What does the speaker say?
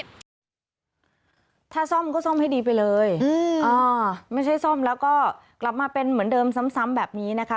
ถ้าซ่อมก็ซ่อมให้ดีไปเลยอืมอ่าไม่ใช่ซ่อมแล้วก็กลับมาเป็นเหมือนเดิมซ้ำซ้ำแบบนี้นะคะ